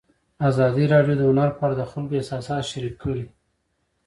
ازادي راډیو د هنر په اړه د خلکو احساسات شریک کړي.